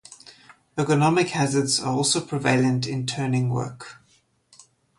Ergonomic hazards are also prevalent in turning work.